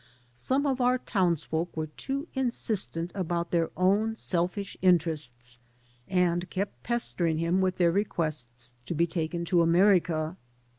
Some of our townsfolk were too insistent about their own selfish interests, and kept pestering him with their requests to be taken to America.